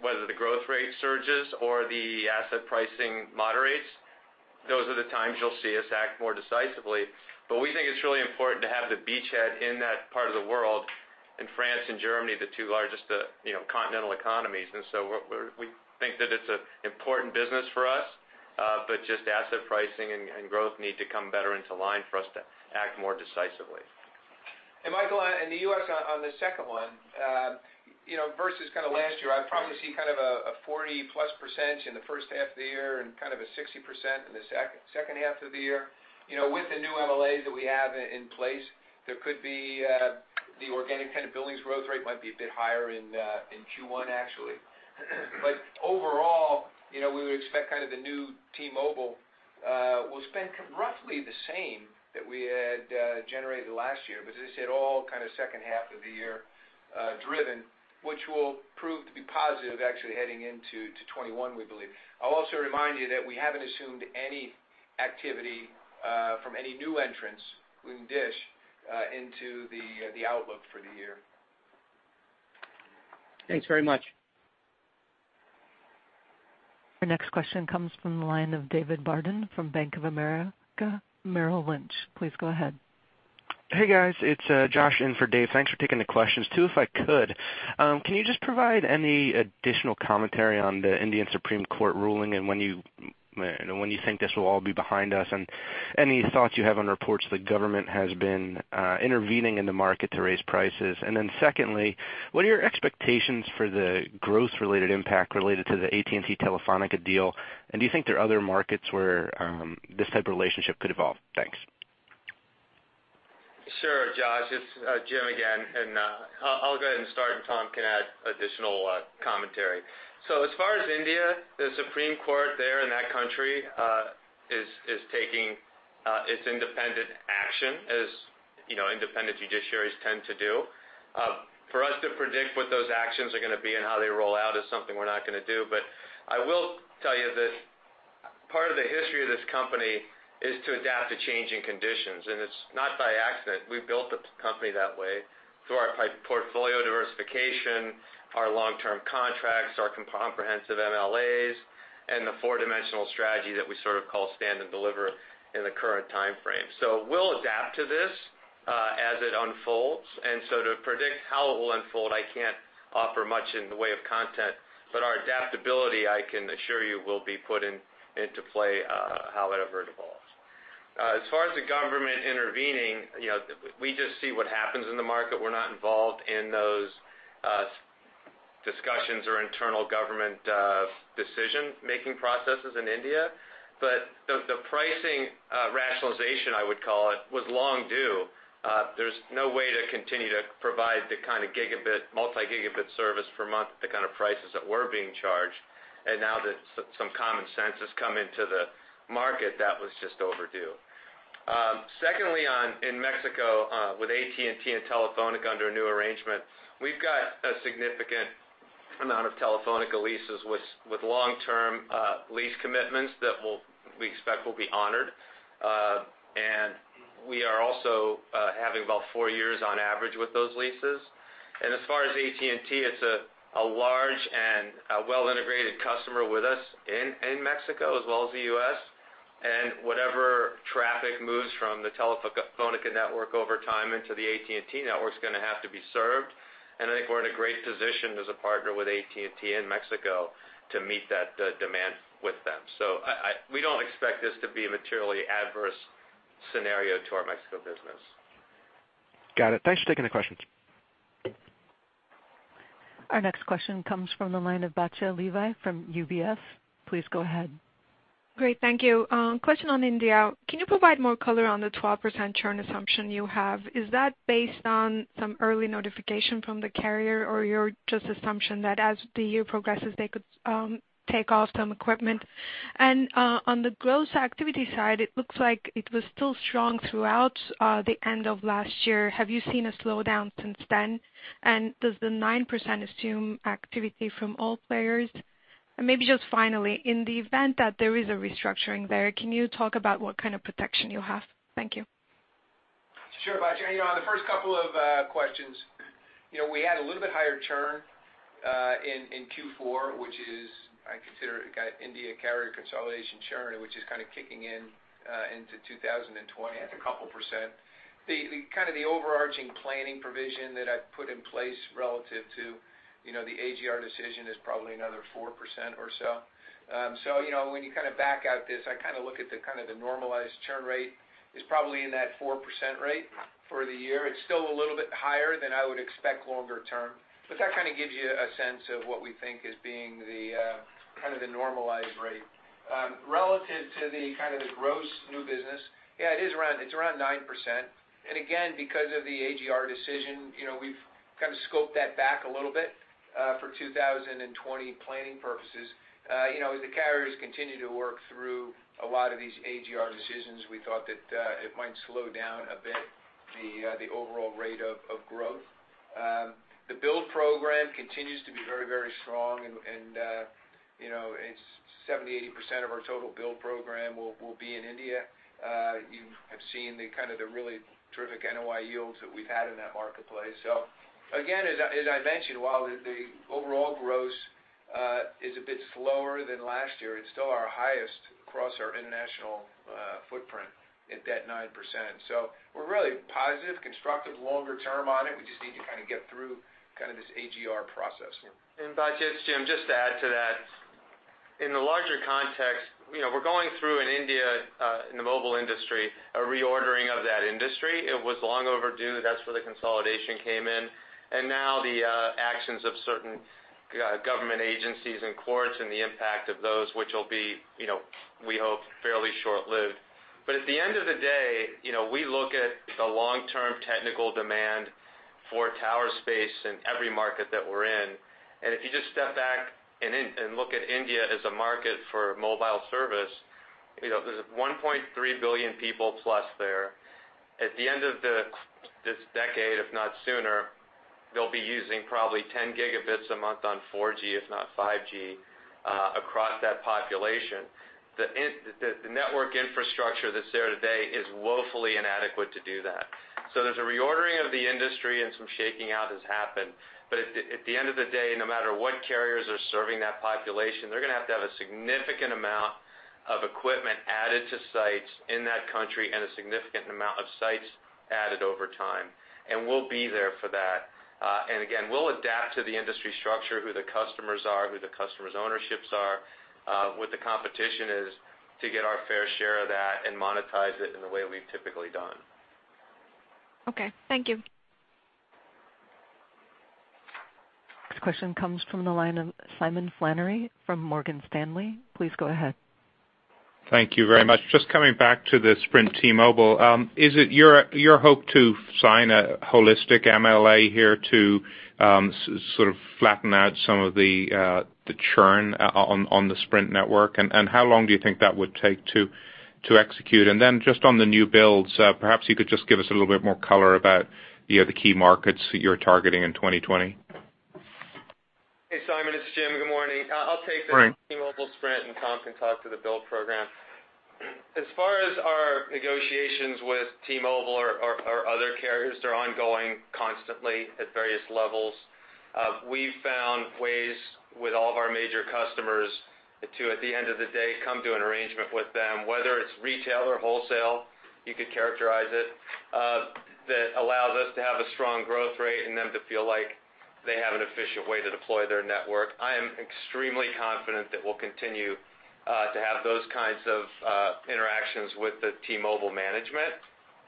whether the growth rate surges or the asset pricing moderates, those are the times you'll see us act more decisively. We think it's really important to have the beachhead in that part of the world, in France and Germany, the two largest continental economies. We think that it's an important business for us, just asset pricing and growth need to come better into line for us to act more decisively. Michael, in the U.S., on the second one, versus last year, I'd probably see a 40%+ in the first half of the year and a 60% in the second half of the year. With the new MLAs that we have in place, the organic kind of billings growth rate might be a bit higher in Q1, actually. Overall, we would expect the new T-Mobile will spend roughly the same that we had generated last year, but as I said, all second half of the year driven, which will prove to be positive actually heading into 2021, we believe. I'll also remind you that we haven't assumed any activity from any new entrants, including DISH, into the outlook for the year. Thanks very much. Our next question comes from the line of David Barden from Bank of America Merrill Lynch. Please go ahead. Hey, guys, it's Josh in for Dave. Thanks for taking the questions. Two, if I could. Can you just provide any additional commentary on the Indian Supreme Court ruling and when you think this will all be behind us? Any thoughts you have on reports the government has been intervening in the market to raise prices. Secondly, what are your expectations for the growth-related impact related to the AT&T-Telefónica deal? Do you think there are other markets where this type of relationship could evolve? Thanks. Sure, Josh. It's Jim again, and I'll go ahead and start, and Tom can add additional commentary. As far as India, the Supreme Court there in that country is taking its independent action, as independent judiciaries tend to do. For us to predict what those actions are going to be and how they roll out is something we're not going to do. I will tell you that part of the history of this company is to adapt to changing conditions, and it's not by accident. We've built the company that way through our portfolio diversification, our long-term contracts, our comprehensive MLAs, and the four-dimensional strategy that we sort of call Stand and Deliver in the current timeframe. We'll adapt to this as it unfolds. To predict how it will unfold, I can't offer much in the way of content, but our adaptability, I can assure you, will be put into play however it evolves. As far as the government intervening, we just see what happens in the market. We're not involved in those discussions or internal government decision-making processes in India. The pricing rationalization, I would call it, was long due. There's no way to continue to provide the kind of multi-gigabit service per month, the kind of prices that were being charged. Now that some common sense has come into the market, that was just overdue. Secondly, in Mexico, with AT&T and Telefónica under a new arrangement, we've got a significant amount of Telefónica leases with long-term lease commitments that we expect will be honored. We are also having about four years on average with those leases. As far as AT&T, it's a large and a well-integrated customer with us in Mexico as well as the U.S., and whatever traffic moves from the Telefónica network over time into the AT&T network's going to have to be served. I think we're in a great position as a partner with AT&T in Mexico to meet that demand with them. We don't expect this to be a materially adverse scenario to our Mexico business. Got it. Thanks for taking the questions. Our next question comes from the line of Batya Levi from UBS. Please go ahead. Great. Thank you. Question on India. Can you provide more color on the 12% churn assumption you have? Is that based on some early notification from the carrier, or your just assumption that as the year progresses, they could take off some equipment? On the growth activity side, it looks like it was still strong throughout the end of last year. Have you seen a slowdown since then? Does the 9% assume activity from all players? Maybe just finally, in the event that there is a restructuring there, can you talk about what kind of protection you have? Thank you. Sure, Batya. On the first couple of questions, we had a little bit higher churn in Q4, which is, I consider it got India carrier consolidation churn, which is kicking in into 2020 at a couple percent. The overarching planning provision that I've put in place relative to the AGR decision is probably another 4% or so. When you back out this, I look at the normalized churn rate is probably in that 4% rate for the year. It's still a little bit higher than I would expect longer term. That gives you a sense of what we think is being the normalized rate. Relative to the gross new business, yeah, it is around 9%. Again, because of the AGR decision, we've scoped that back a little bit, for 2020 planning purposes. As the carriers continue to work through a lot of these AGR decisions, we thought that it might slow down a bit the overall rate of growth. The build program continues to be very, very strong and it's 70%, 80% of our total build program will be in India. You have seen the really terrific NOI yields that we've had in that marketplace. Again, as I mentioned, while the overall gross is a bit slower than last year, it's still our highest across our international footprint at that 9%. We're really positive, constructive longer term on it. We just need to get through this AGR process. By just, Jim, just to add to that, in the larger context, we're going through in India, in the mobile industry, a reordering of that industry. It was long overdue. That's where the consolidation came in. Now the actions of certain government agencies and courts and the impact of those, which will be, we hope, fairly short-lived. At the end of the day, we look at the long-term technical demand for tower space in every market that we're in, and if you just step back and look at India as a market for mobile service, there's 1.3 billion people plus there. At the end of this decade, if not sooner, they'll be using probably 10 gigabits a month on 4G, if not 5G, across that population. The network infrastructure that's there today is woefully inadequate to do that. There's a reordering of the industry and some shaking out has happened. At the end of the day, no matter what carriers are serving that population, they're gonna have to have a significant amount of equipment added to sites in that country and a significant amount of sites added over time, and we'll be there for that. Again, we'll adapt to the industry structure, who the customers are, who the customers' ownerships are, what the competition is, to get our fair share of that and monetize it in the way we've typically done. Okay. Thank you. Next question comes from the line of Simon Flannery from Morgan Stanley. Please go ahead. Thank you very much. Just coming back to the Sprint T-Mobile. Is it your hope to sign a holistic MLA here to flatten out some of the churn, on the Sprint network? How long do you think that would take to execute? Then just on the new builds, perhaps you could just give us a little bit more color about the key markets that you're targeting in 2020. Hey, Simon, it's Jim. Good morning. Morning. T-Mobile Sprint, and Tom can talk to the build program. As far as our negotiations with T-Mobile or other carriers, they're ongoing constantly at various levels. We've found ways with all of our major customers to, at the end of the day, come to an arrangement with them, whether it's retail or wholesale, you could characterize it, that allows us to have a strong growth rate and them to feel like they have an efficient way to deploy their network. I am extremely confident that we'll continue to have those kinds of interactions with the T-Mobile management.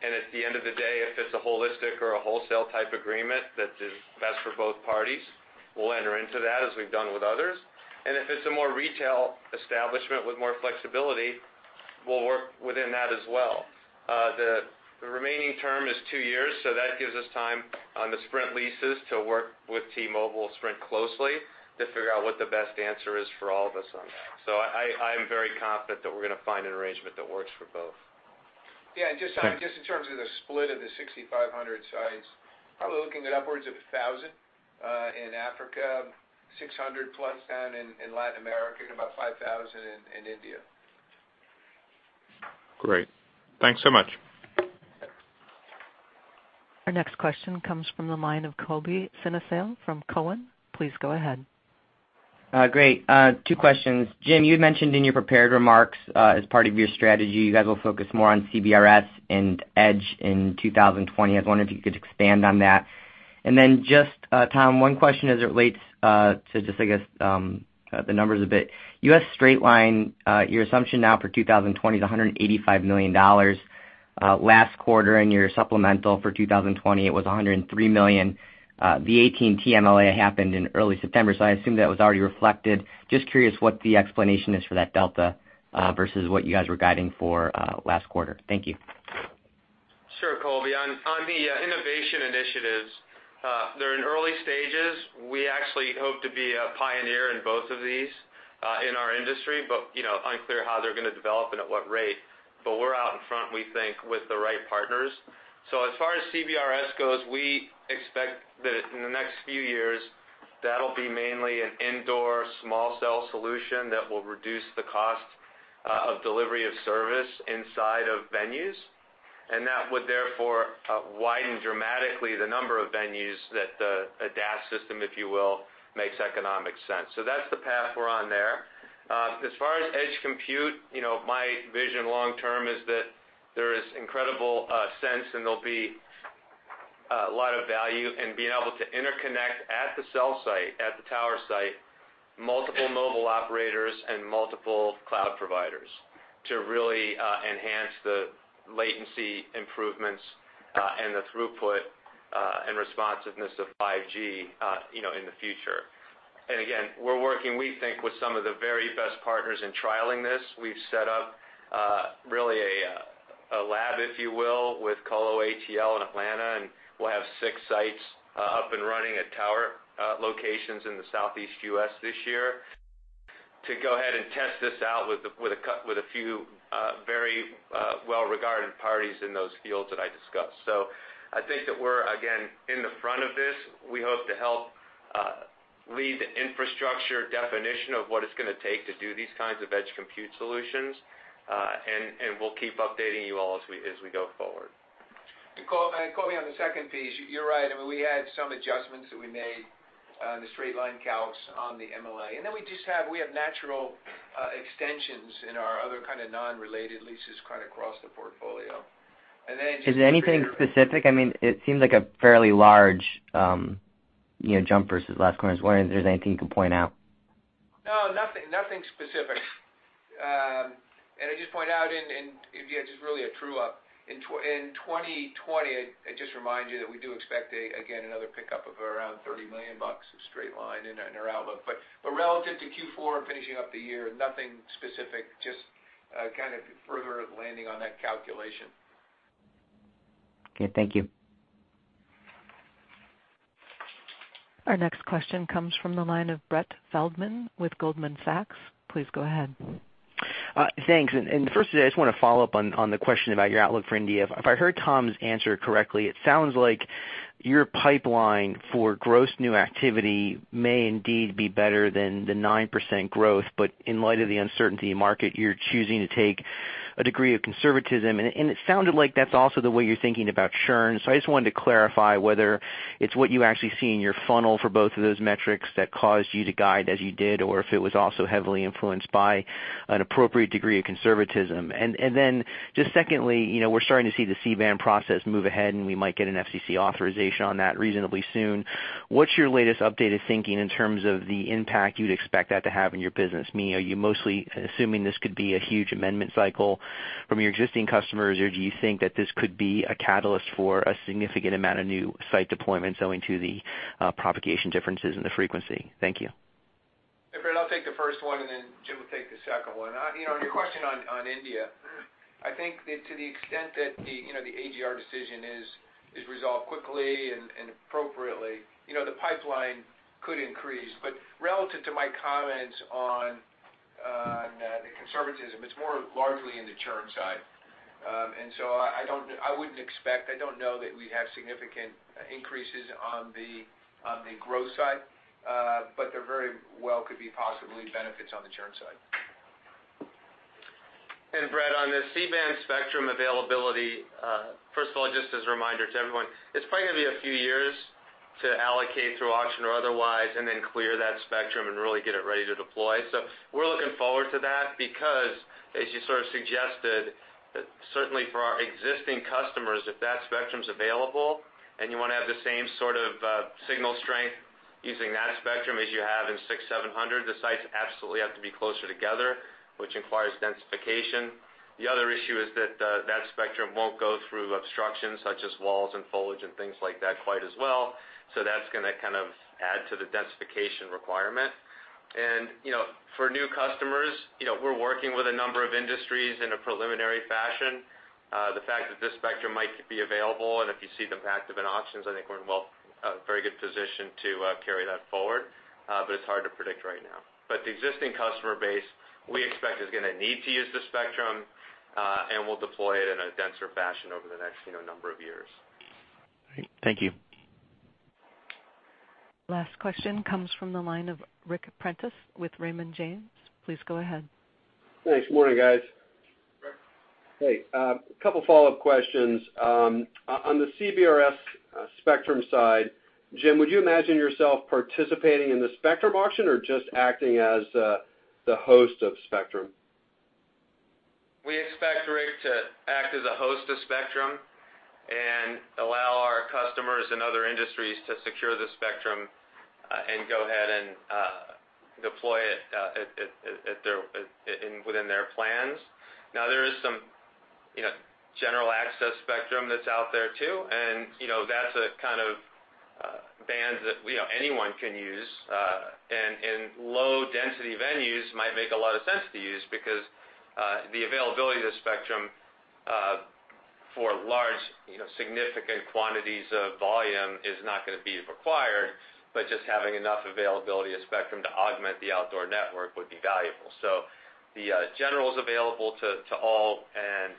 At the end of the day, if it's a holistic or a wholesale type agreement that is best for both parties, we'll enter into that as we've done with others. If it's a more retail establishment with more flexibility, we'll work within that as well. The remaining term is two years, that gives us time on the Sprint leases to work with T-Mobile Sprint closely to figure out what the best answer is for all of us on that. I'm very confident that we're gonna find an arrangement that works for both. Yeah. Just in terms of the split of the 6,500 sites, probably looking at upwards of 1,000 in Africa, 600 plus down in Latin America, and about 5,000 in India. Great. Thanks so much. Our next question comes from the line of Colby Synesael from Cowen. Please go ahead. Great. Two questions. Jim, you had mentioned in your prepared remarks, as part of your strategy, you guys will focus more on CBRS and Edge in 2020. I was wondering if you could expand on that. Just, Tom, one question as it relates to just, I guess, the numbers a bit. U.S. Straight Line, your assumption now for 2020 is $185 million. Last quarter in your supplemental for 2020, it was $103 million. The AT&T MLA happened in early September, I assume that was already reflected. Just curious what the explanation is for that delta, versus what you guys were guiding for last quarter. Thank you. Sure, Colby. On the innovation initiatives, they're in early stages. We actually hope to be a pioneer in both of these in our industry, but unclear how they're gonna develop and at what rate. We're out in front, we think, with the right partners. As far as CBRS goes, we expect that in the next few years, that'll be mainly an indoor small cell solution that will reduce the cost of delivery of service inside of venues. That would therefore widen dramatically the number of venues that the DAS system, if you will, makes economic sense. That's the path we're on there. As far as edge compute, my vision long term is that there is incredible sense, and there'll be a lot of value in being able to interconnect at the cell site, at the tower site, multiple mobile operators and multiple cloud providers to really enhance the latency improvements and the throughput and responsiveness of 5G in the future. Again, we're working, we think, with some of the very best partners in trialing this. We've set up really a lab, if you will, with Colo Atl in Atlanta, and we'll have six sites up and running at tower locations in the Southeast U.S. this year to go ahead and test this out with a few very well-regarded parties in those fields that I discussed. I think that we're, again, in the front of this. We hope to help lead the infrastructure definition of what it's going to take to do these kinds of edge compute solutions. We'll keep updating you all as we go forward. Colby, on the second piece, you're right. I mean, we had some adjustments that we made on the straight line calcs on the MLA. We have natural extensions in our other kind of non-related leases kind of across the portfolio. Is anything specific? I mean, it seems like a fairly large jump versus last quarter. I was wondering if there's anything you can point out. No, nothing specific. I'd just point out in, just really a true up, in 2020, I'd just remind you that we do expect, again, another pickup of around $30 million of straight line in our outlook. Relative to Q4 and finishing up the year, nothing specific, just kind of further landing on that calculation. Okay, thank you. Our next question comes from the line of Brett Feldman with Goldman Sachs. Please go ahead. Thanks. Firstly, I just want to follow up on the question about your outlook for India. If I heard Tom's answer correctly, it sounds like your pipeline for gross new activity may indeed be better than the 9% growth, but in light of the uncertainty in market, you're choosing to take a degree of conservatism, and it sounded like that's also the way you're thinking about churn. I just wanted to clarify whether it's what you actually see in your funnel for both of those metrics that caused you to guide as you did, or if it was also heavily influenced by an appropriate degree of conservatism. Then just secondly, we're starting to see the C-band process move ahead, and we might get an FCC authorization on that reasonably soon. What's your latest updated thinking in terms of the impact you'd expect that to have in your business? Meaning, are you mostly assuming this could be a huge amendment cycle from your existing customers, or do you think that this could be a catalyst for a significant amount of new site deployments owing to the propagation differences in the frequency? Thank you. Hey, Brett, I'll take the first one, and then Jim will take the second one. On your question on India, I think that to the extent that the AGR decision is resolved quickly and appropriately, the pipeline could increase. Relative to my comments on the conservatism, it's more largely in the churn side. I wouldn't expect, I don't know that we have significant increases on the growth side. There very well could be possibly benefits on the churn side. Brett, on the C-band spectrum availability, first of all, just as a reminder to everyone, it's probably gonna be a few years to allocate through auction or otherwise, and then clear that spectrum and really get it ready to deploy. We're looking forward to that because, as you sort of suggested, certainly for our existing customers, if that spectrum's available and you want to have the same sort of signal strength using that spectrum as you have in 6,700, the sites absolutely have to be closer together, which requires densification. The other issue is that that spectrum won't go through obstructions such as walls and foliage and things like that quite as well. That's gonna kind of add to the densification requirement. For new customers, we're working with a number of industries in a preliminary fashion. The fact that this spectrum might be available, and if you see the impact of an auctions, I think we're in a very good position to carry that forward. It's hard to predict right now. The existing customer base, we expect is gonna need to use the spectrum, and we'll deploy it in a denser fashion over the next number of years. All right. Thank you. Last question comes from the line of Ric Prentiss with Raymond James. Please go ahead. Thanks. Morning, guys. Ric. Hey. Couple follow-up questions. On the CBRS spectrum side, Jim, would you imagine yourself participating in the spectrum auction or just acting as the host of spectrum? We expect, Ric, to act as a host of spectrum and allow our customers and other industries to secure the spectrum, and go ahead and deploy it within their plans. There is some general access spectrum that's out there too, and that's a kind of band that anyone can use. In low density venues might make a lot of sense to use because the availability of the spectrum for large, significant quantities of volume is not gonna be required, but just having enough availability of spectrum to augment the outdoor network would be valuable. The general's available to all, and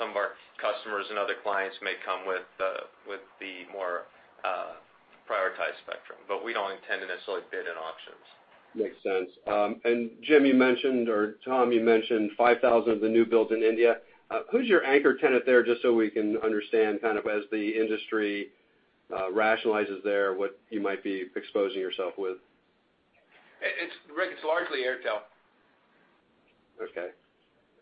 some of our customers and other clients may come with the more prioritized spectrum, but we don't intend to necessarily bid in auctions. Makes sense. Jim, you mentioned, or Tom, you mentioned 5,000 of the new builds in India. Who's your anchor tenant there, just so we can understand as the industry rationalizes there, what you might be exposing yourself with? It's, Ric, it's largely Airtel. Okay.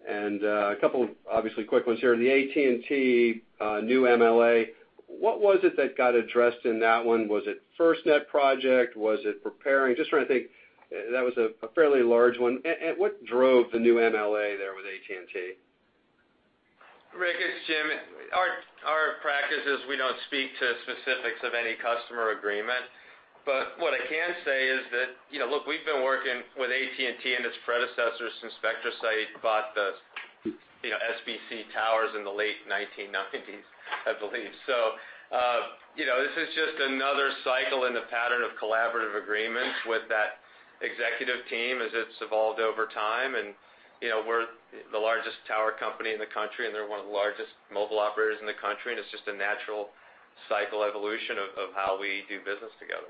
A couple of, obviously, quick ones here. The AT&T new MLA, what was it that got addressed in that one? Was it FirstNet project? Was it preparing? Just trying to think. That was a fairly large one. What drove the new MLA there with AT&T? Ric, it's Jim. Our practice is we don't speak to specifics of any customer agreement. What I can say is that, look, we've been working with AT&T and its predecessors since SpectraSite bought the SBC towers in the late 1990s, I believe. This is just another cycle in the pattern of collaborative agreements with that executive team as it's evolved over time. We're the largest tower company in the country, and they're one of the largest mobile operators in the country, and it's just a natural cycle evolution of how we do business together.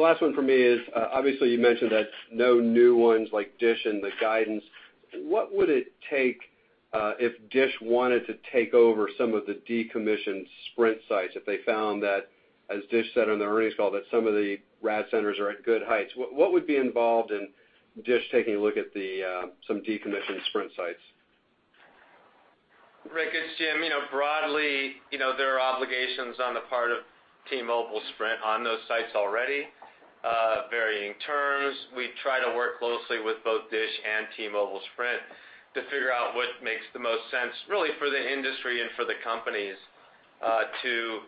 Last one from me is, obviously, you mentioned that no new ones like DISH in the guidance. What would it take if DISH wanted to take over some of the decommissioned Sprint sites if they found that, as DISH said on the earnings call, that some of the RAD centers are at good heights? What would be involved in DISH taking a look at some decommissioned Sprint sites? Ric, it's Jim. Broadly, there are obligations on the part of T-Mobile Sprint on those sites already, varying terms. We try to work closely with both DISH and T-Mobile Sprint to figure out what makes the most sense, really for the industry and for the companies, to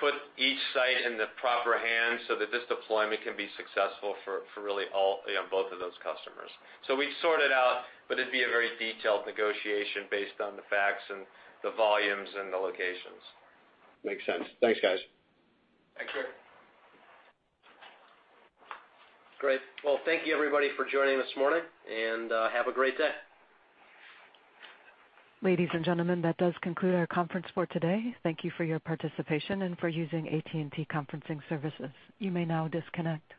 put each site in the proper hands so that this deployment can be successful for really both of those customers. We'd sort it out, but it'd be a very detailed negotiation based on the facts and the volumes and the locations. Makes sense. Thanks, guys. Thanks, Ric. Great. Well, thank you everybody for joining this morning, and have a great day. Ladies and gentlemen, that does conclude our conference for today. Thank you for your participation and for using AT&T Conferencing Services. You may now disconnect.